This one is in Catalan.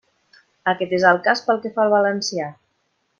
Aquest és el cas pel que fa al valencià.